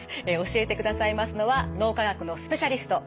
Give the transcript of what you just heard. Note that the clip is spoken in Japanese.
教えてくださいますのは脳科学のスペシャリスト